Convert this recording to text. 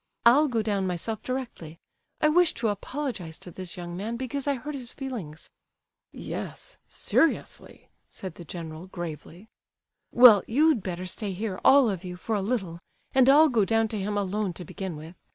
I'll go down myself directly. I wish to apologize to this young man, because I hurt his feelings." "Yes, seriously," said the general, gravely. "Well, you'd better stay here, all of you, for a little, and I'll go down to him alone to begin with.